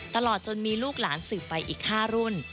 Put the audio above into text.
ตลอดจนมีลูกหลานสืบไปอีก๕รุ่น